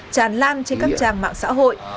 tràn lan trên các trang mạng xã hội